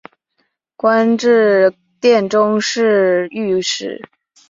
官至殿中侍御史。